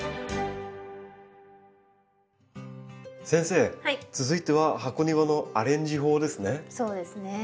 先生続いては箱庭のアレンジ法ですね。